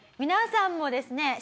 皆さんもですね